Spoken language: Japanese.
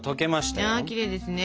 いやきれいですね。